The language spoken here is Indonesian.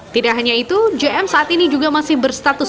tidak hanya itu jm saat ini juga masih berstatus